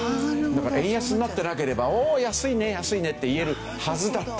だから円安になってなければお安いね安いねって言えるはずだったんですよ。